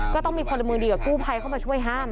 ก็ต้องมีพลเมืองดีกับกู้ภัยเข้ามาช่วยห้าม